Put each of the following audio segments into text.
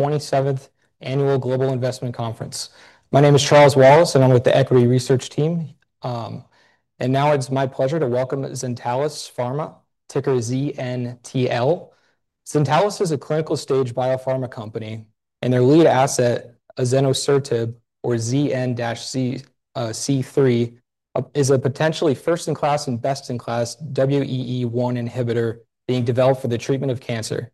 207th Annual Global Investment Conference. My name is Charles Wallace, and I'm with the Equity Research Team. It's my pleasure to welcome Zentalis Pharmaceuticals, ticker ZNTL. Zentalis is a clinical-stage biopharmaceutical company, and their lead asset, azenosertib, or ZN-c3, is a potentially first-in-class and best-in-class WEE1 inhibitor being developed for the treatment of cancer.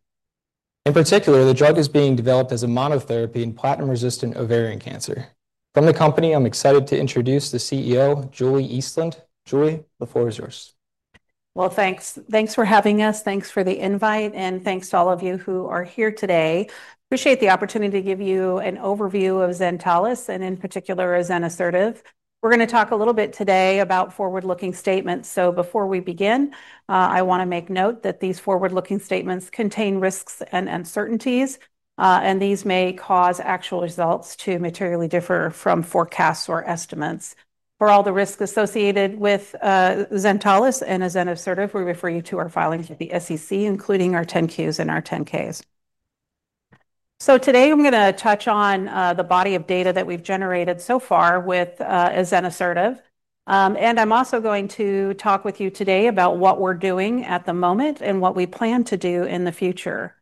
In particular, the drug is being developed as a monotherapy in platinum-resistant ovarian cancer. From the company, I'm excited to introduce the CEO, Julie Eastland. Julie, the floor is yours. Thank you for having us. Thank you for the invite, and thank you to all of you who are here today. I appreciate the opportunity to give you an overview of Zentalis and, in particular, azenosertib. We are going to talk a little bit today about forward-looking statements. Before we begin, I want to make note that these forward-looking statements contain risks and uncertainties, and these may cause actual results to materially differ from forecasts or estimates. For all the risks associated with Zentalis and azenosertib, we refer you to our filings with the SEC, including our 10-Qs and our 10-Ks. Today, I am going to touch on the body of data that we have generated so far with azenosertib. I am also going to talk with you today about what we are doing at the moment and what we plan to do in the future.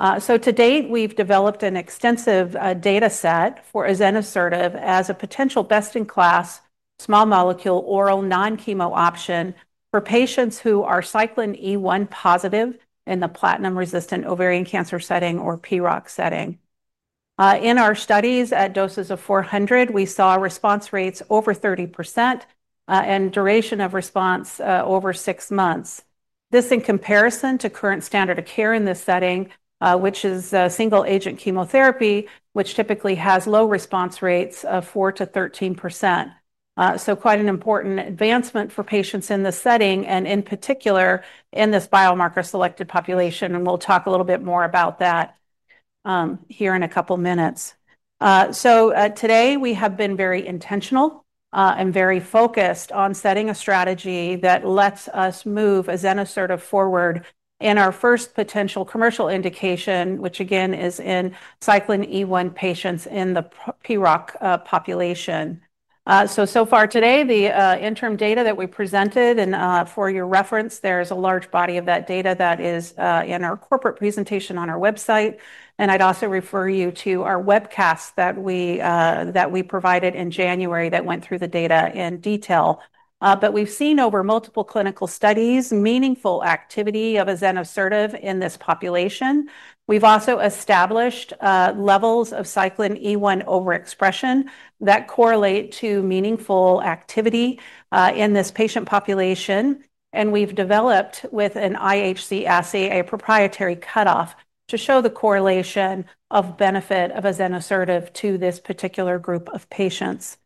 To date, we have developed an extensive data set for azenosertib as a potential best-in-class small molecule oral non-chemo option for patients who are cyclin E1 positive in the platinum-resistant ovarian cancer setting or PROC setting. In our studies at doses of 400, we saw response rates over 30% and duration of response over six months. This is in comparison to current standard of care in this setting, which is single-agent chemotherapy, which typically has low response rates of 4% to 13%. This is quite an important advancement for patients in this setting, in particular in this biomarker-selected population. We will talk a little bit more about that here in a couple of minutes. Today, we have been very intentional and very focused on setting a strategy that lets us move azenosertib forward in our first potential commercial indication, which again is in cyclin E1 patients in the PROC population. So far today, the interim data that we presented, and for your reference, there is a large body of that data that is in our corporate presentation on our website. I would also refer you to our webcast that we provided in January that went through the data in detail. We have seen over multiple clinical studies meaningful activity of azenosertib in this population. We have also established levels of cyclin E1 overexpression that correlate to meaningful activity in this patient population. We have developed with an IHC assay a proprietary cutoff to show the correlation of benefit of azenosertib to this particular group of patients.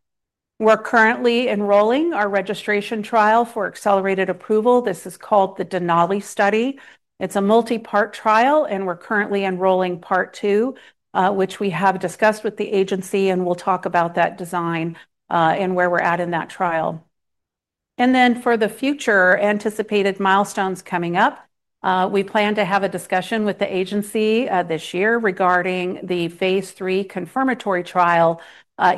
We are currently enrolling our registration trial for accelerated approval. This is called the Denali study. It's a multi-part trial, and we're currently enrolling part two, which we have discussed with the agency, and we'll talk about that design and where we're at in that trial. For the future anticipated milestones coming up, we plan to have a discussion with the agency this year regarding the phase three confirmatory trial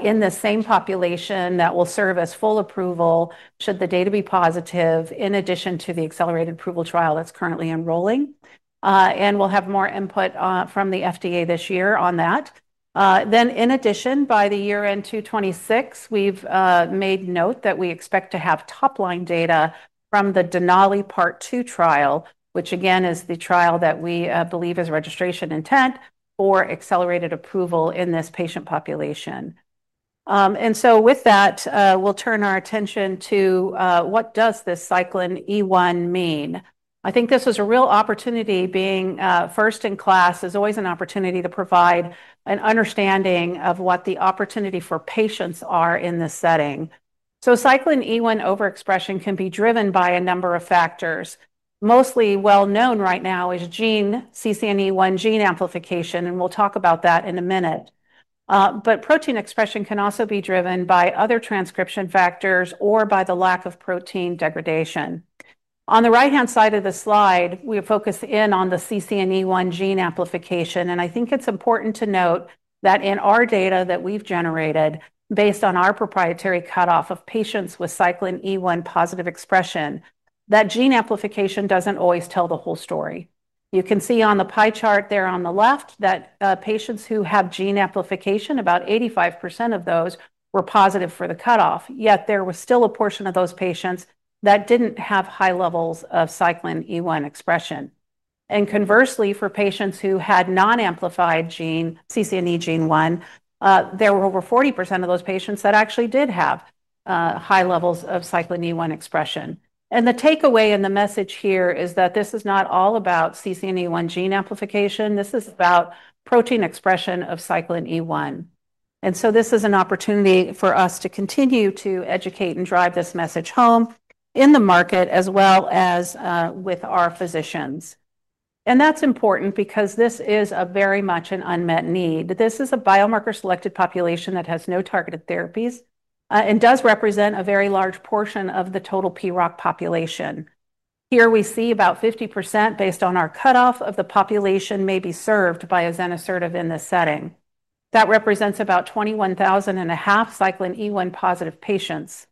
in the same population that will serve as full approval should the data be positive, in addition to the accelerated approval trial that's currently enrolling. We'll have more input from the FDA this year on that. In addition, by the year-end 2026, we've made note that we expect to have top-line data from the Denali part two trial, which again is the trial that we believe is registration intent for accelerated approval in this patient population. With that, we'll turn our attention to what does this cyclin E1 mean? I think this was a real opportunity, being first-in-class, is always an opportunity to provide an understanding of what the opportunity for patients are in this setting. Cyclin E1 overexpression can be driven by a number of factors. Mostly well-known right now is gene CCNE1 gene amplification, and we'll talk about that in a minute. Protein expression can also be driven by other transcription factors or by the lack of protein degradation. On the right-hand side of the slide, we focus in on the CCNE1 gene amplification. I think it's important to note that in our data that we've generated based on our proprietary cutoff of patients with cyclin E1 positive expression, that gene amplification doesn't always tell the whole story. You can see on the pie chart there on the left that patients who have gene amplification, about 85% of those were positive for the cutoff. Yet there was still a portion of those patients that didn't have high levels of cyclin E1 expression. Conversely, for patients who had non-amplified gene CCNE1, there were over 40% of those patients that actually did have high levels of cyclin E1 expression. The takeaway in the message here is that this is not all about CCNE1 gene amplification. This is about protein expression of cyclin E1. This is an opportunity for us to continue to educate and drive this message home in the market as well as with our physicians. That's important because this is very much an unmet need. This is a biomarker-selected population that has no targeted therapies and does represent a very large portion of the total PROC population. Here we see about 50% based on our cutoff of the population may be served by azenosertib in this setting. That represents about 21,500 cyclin E1 positive patients.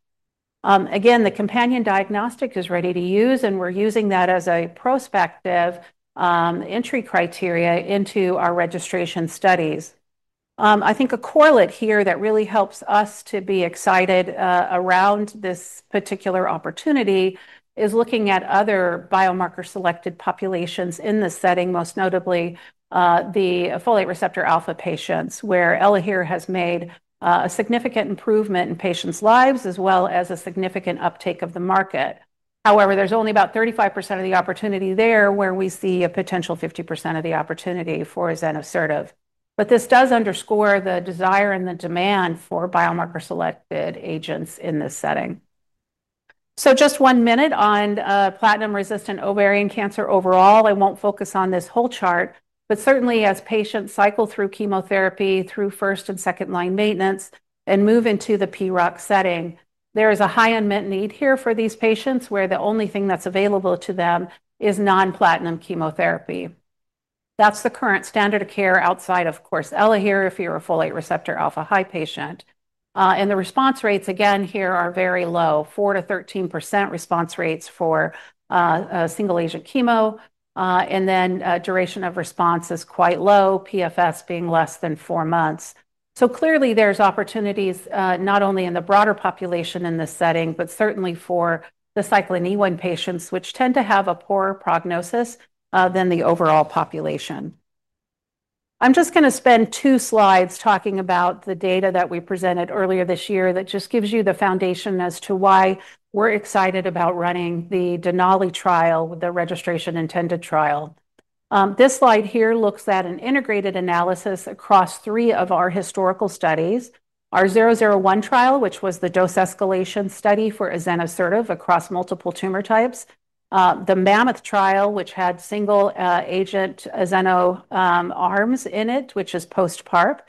Again, the companion diagnostic is ready to use, and we're using that as a prospective entry criteria into our registration studies. I think a correlate here that really helps us to be excited around this particular opportunity is looking at other biomarker-selected populations in this setting, most notably the folate receptor alpha patients, where ELAHERE has made a significant improvement in patients' lives as well as a significant uptake of the market. However, there's only about 35% of the opportunity there where we see a potential 50% of the opportunity for azenosertib. This does underscore the desire and the demand for biomarker-selected agents in this setting. Just one minute on platinum-resistant ovarian cancer overall. I won't focus on this whole chart, but certainly as patients cycle through chemotherapy through first and second-line maintenance and move into the PROC setting, there is a high unmet need here for these patients where the only thing that's available to them is non-platinum chemotherapy. That's the current standard of care outside, of course, ELAHERE if you're a folate receptor alpha high patient. The response rates again here are very low, 4% to 13% response rates for single-agent chemo. The duration of response is quite low, PFS being less than four months. Clearly, there's opportunities not only in the broader population in this setting, but certainly for the cyclin E1 patients, which tend to have a poorer prognosis than the overall population. I'm just going to spend two slides talking about the data that we presented earlier this year that just gives you the foundation as to why we're excited about running the Denali trial, the registration intended trial. This slide here looks at an integrated analysis across three of our historical studies: our 001 trial, which was the dose escalation study for azenosertib across multiple tumor types; the MAMATH trial, which had single-agent ZN-d5 in it, which is post-PARP;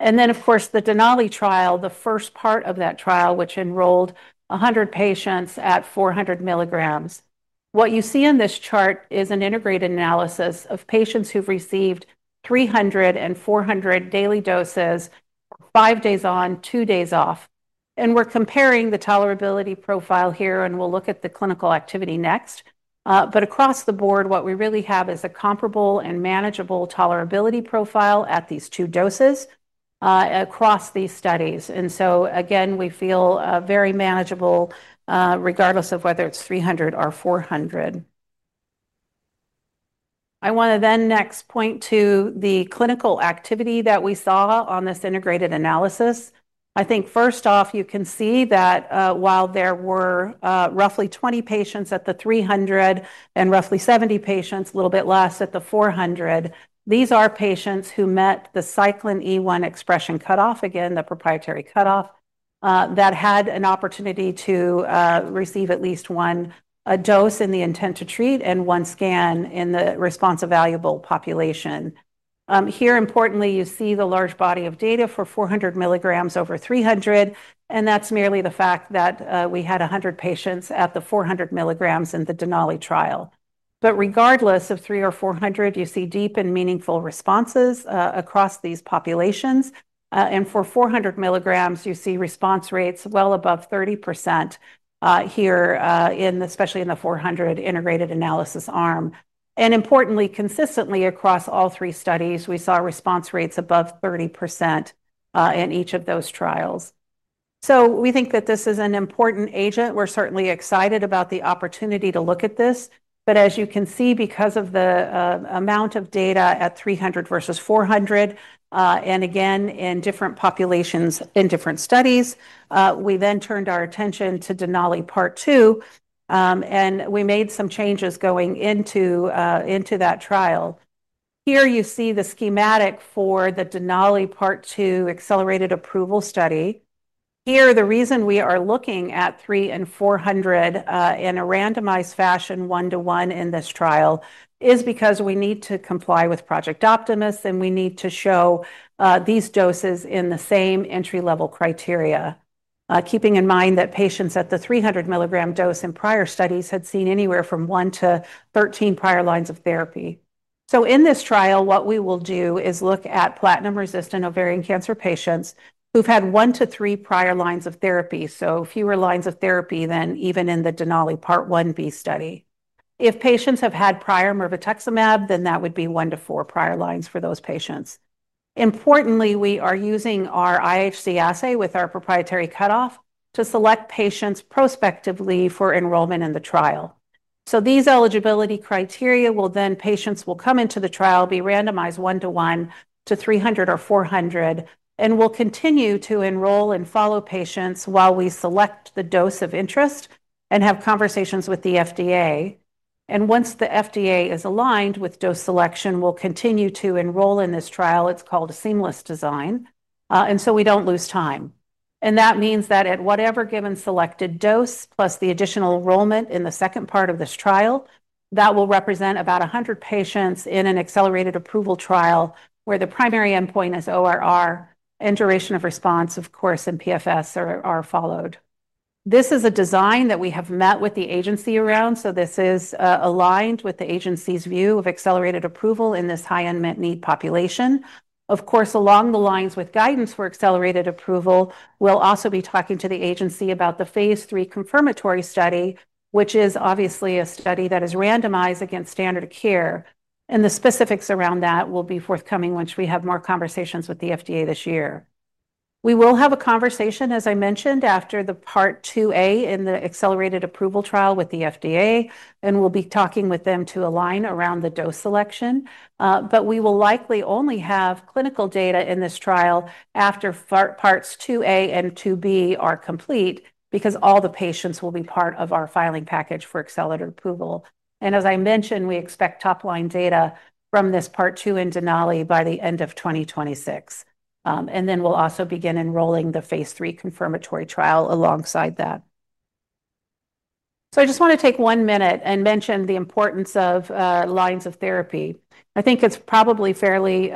and then, of course, the Denali trial, the first part of that trial, which enrolled 100 patients at 400 milligrams. What you see in this chart is an integrated analysis of patients who've received 300 and 400 daily doses, five days on, two days off. We're comparing the tolerability profile here, and we'll look at the clinical activity next. Across the board, what we really have is a comparable and manageable tolerability profile at these two doses across these studies. We feel very manageable regardless of whether it's 300 or 400. I want to next point to the clinical activity that we saw on this integrated analysis. First off, you can see that while there were roughly 20 patients at the 300 and roughly 70 patients, a little bit less at the 400, these are patients who met the cyclin E1 expression cutoff, again, the proprietary cutoff, that had an opportunity to receive at least one dose in the intent to treat and one scan in the response-evaluable population. Importantly, you see the large body of data for 400 milligrams over 300. That's merely the fact that we had 100 patients at the 400 milligrams in the Denali trial. Regardless of 300 or 400, you see deep and meaningful responses across these populations. For 400 milligrams, you see response rates well above 30% here, especially in the 400 integrated analysis arm. Importantly, consistently across all three studies, we saw response rates above 30% in each of those trials. We think that this is an important agent. We're certainly excited about the opportunity to look at this. As you can see, because of the amount of data at 300 versus 400, and again in different populations in different studies, we then turned our attention to Denali part two, and we made some changes going into that trial. Here you see the schematic for the Denali part two accelerated approval study. The reason we are looking at 300 and 400 in a randomized fashion, one-to-one in this trial, is because we need to comply with Project Optimist, and we need to show these doses in the same entry-level criteria, keeping in mind that patients at the 300 milligram dose in prior studies had seen anywhere from 1 to 13 prior lines of therapy. In this trial, what we will do is look at platinum-resistant ovarian cancer patients who've had 1 to 3 prior lines of therapy, so fewer lines of therapy than even in the Denali part 1B study. If patients have had prior ELAHERE, then that would be 1 to 4 prior lines for those patients. Importantly, we are using our IHC assay with our proprietary cutoff to select patients prospectively for enrollment in the trial. These eligibility criteria will then allow patients to come into the trial, be randomized one-to-one to 300 or 400, and we'll continue to enroll and follow patients while we select the dose of interest and have conversations with the FDA. Once the FDA is aligned with dose selection, we'll continue to enroll in this trial. It's called a seamless design, so we don't lose time. That means that at whatever given selected dose plus the additional enrollment in the second part of this trial, that will represent about 100 patients in an accelerated approval trial where the primary endpoint is ORR and duration of response, of course, and PFS are followed. This is a design that we have met with the agency around. This is aligned with the agency's view of accelerated approval in this high unmet need population. Of course, along the lines with guidance for accelerated approval, we'll also be talking to the agency about the phase three confirmatory study, which is obviously a study that is randomized against standard of care. The specifics around that will be forthcoming, once we have more conversations with the FDA this year. We will have a conversation, as I mentioned, after the part 2A in the accelerated approval trial with the FDA, and we'll be talking with them to align around the dose selection. We will likely only have clinical data in this trial after parts 2A and 2B are complete because all the patients will be part of our filing package for accelerated approval. As I mentioned, we expect top-line data from this part two in Denali by the end of 2026. We'll also begin enrolling the phase three confirmatory trial alongside that. I just want to take one minute and mention the importance of lines of therapy. I think it's probably fairly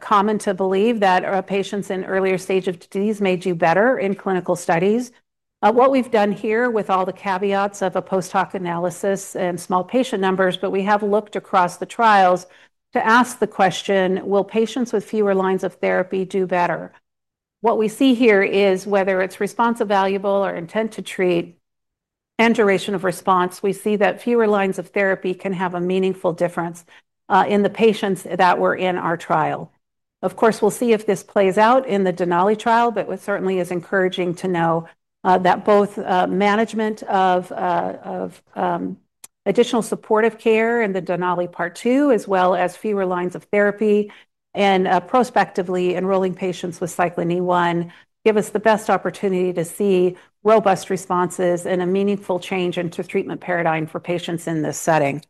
common to believe that patients in earlier stage of disease may do better in clinical studies. What we've done here with all the caveats of a post-hoc analysis and small patient numbers, but we have looked across the trials to ask the question, will patients with fewer lines of therapy do better? What we see here is whether it's response-evaluable or intent to treat and duration of response, we see that fewer lines of therapy can have a meaningful difference in the patients that were in our trial. Of course, we'll see if this plays out in the Denali trial, but it certainly is encouraging to know that both management of additional supportive care in the Denali part two, as well as fewer lines of therapy and prospectively enrolling patients with cyclin E1, give us the best opportunity to see robust responses and a meaningful change in the treatment paradigm for patients in this setting.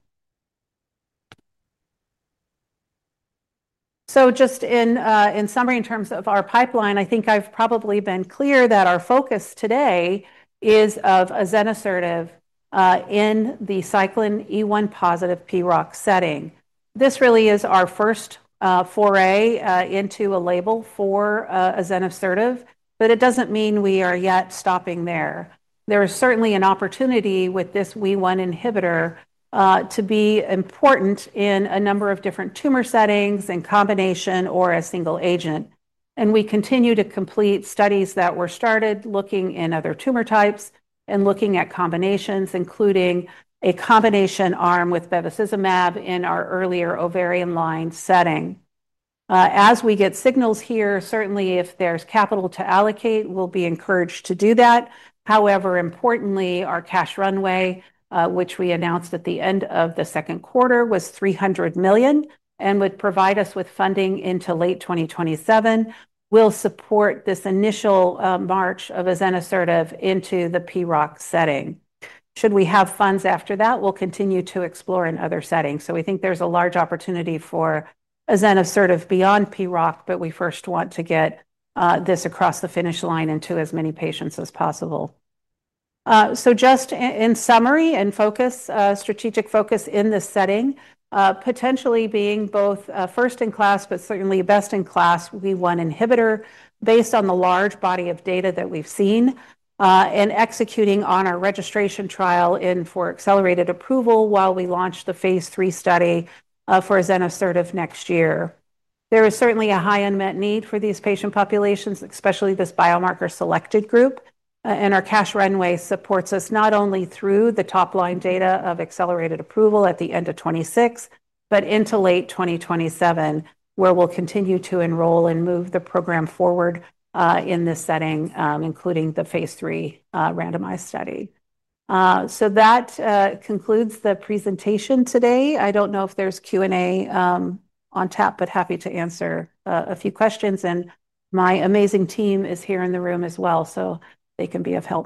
Just in summary, in terms of our pipeline, I think I've probably been clear that our focus today is azenosertib in the cyclin E1 positive PROC setting. This really is our first foray into a label for azenosertib, but it doesn't mean we are stopping there. There is certainly an opportunity with this WEE1 inhibitor to be important in a number of different tumor settings in combination or as a single agent. We continue to complete studies that were started looking in other tumor types and looking at combinations, including a combination arm with bevacizumab in our earlier ovarian line setting. As we get signals here, if there's capital to allocate, we'll be encouraged to do that. Importantly, our cash runway, which we announced at the end of the second quarter, was $300 million and would provide us with funding into late 2027, supporting this initial march of azenosertib into the PROC setting. Should we have funds after that, we'll continue to explore in other settings. We think there's a large opportunity for azenosertib beyond PROC, but we first want to get this across the finish line into as many patients as possible. Just in summary and focus, strategic focus in this setting, potentially being both first-in-class, but certainly best-in-class WEE1 inhibitor based on the large body of data that we've seen and executing on our registration trial for accelerated approval while we launch the phase three study for azenosertib next year. There is certainly a high unmet need for these patient populations, especially this biomarker-selected group. Our cash runway supports us not only through the top-line data of accelerated approval at the end of 2026, but into late 2027, where we'll continue to enroll and move the program forward in this setting, including the phase three randomized study. That concludes the presentation today. I don't know if there's Q&A on tap, but happy to answer a few questions. My amazing team is here in the room as well, so they can be of help.